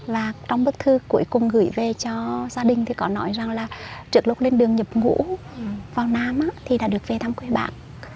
và trong bức thư cuối cùng gửi về cho gia đình thì có nói rằng là trước lúc lên đường nhập ngũ vào nam thì đã được về thăm quê bạc